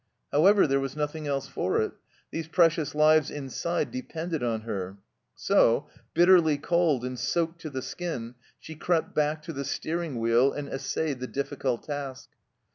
However, there was nothing else for it : these precious lives inside depended on her ; so, bitterly cold and soaked to the skin, she crept back to the steering wheel and essayed the difficult task.